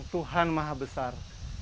tuhan maha besar